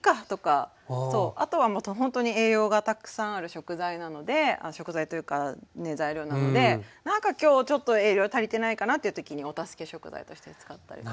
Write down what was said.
あとはほんとに栄養がたくさんある食材なので食材というかね材料なのでなんか今日ちょっと栄養足りてないかなっていう時にお助け食材として使ったりとか。